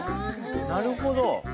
なるほど。